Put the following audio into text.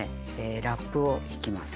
ラップをひきます。